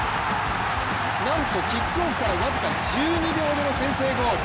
なんとキックオフから僅か１２秒での先制ゴール。